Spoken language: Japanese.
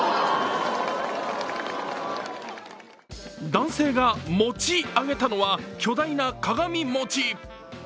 男性が持ち上げたのは巨大な鏡餅。